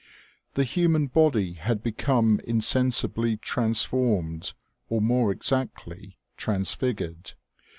The human body had become insensibly trans formed, or more exactly, transfigured.